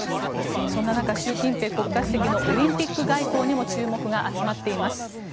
そんな中習近平国家主席のオリンピック外交にも注目が集まっています。